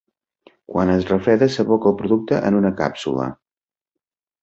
Quan es refreda s'aboca el producte en una càpsula.